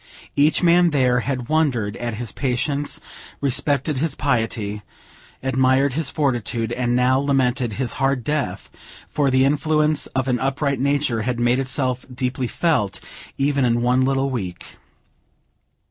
Each man there had wondered at his patience, respected his piety, admired his fortitude, and now lamented his hard death; for the influence of an upright nature had made itself deeply felt, even in one little week.